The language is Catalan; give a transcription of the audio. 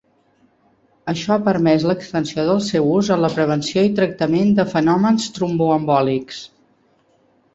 Això ha permès l’extensió del seu ús en la prevenció i tractament de fenòmens tromboembòlics.